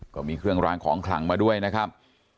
ก็มีเครื่องรางของขลังมาด้วยนะครับ